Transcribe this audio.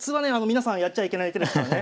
皆さんやっちゃいけない手ですからね。